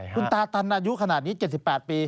คุณตาตันอายุขนาดนี้๗๘ปี